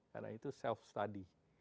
karena itu self study